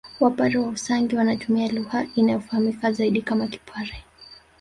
Wapare wa Usangi wanatumia lugha inayofahamika zaidi kama Kipare